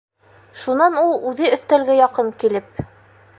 Шунан ул үҙе өҫтәлгә яҡын килеп: